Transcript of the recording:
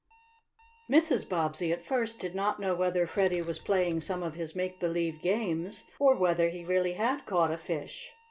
Mrs. Bobbsey at first did not know whether Freddie was playing some of his make believe games, or whether he really had caught a fish.